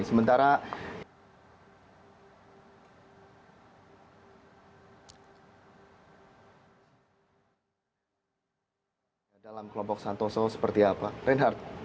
sementara dalam kelompok santoso seperti apa reinhardt